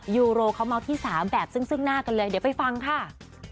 ยูโรเขาเมาส์ที่๓แบบซึ่งหน้ากันเลยเดี๋ยวไปฟังค่ะ